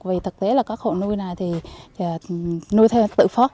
vì thực tế là các hộ nuôi này nuôi theo tự phót